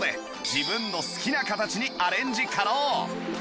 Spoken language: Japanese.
自分の好きな形にアレンジ可能